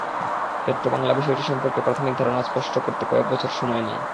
পেট্রোবাংলা বিষয়টি সম্পর্কে প্রাথমিক ধারণা স্পষ্ট করতে কয়েক বছর সময় নেয়।